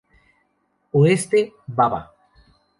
Oeste: Baba.